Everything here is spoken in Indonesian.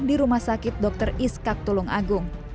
di rumah sakit dr iskak tulung agung